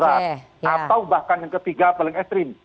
atau bahkan yang ketiga paling ekstrim